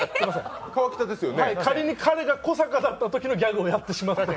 仮に彼が小坂だったときのギャグをやってしまって。